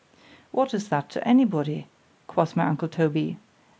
——What is that to any body? quoth my uncle Toby.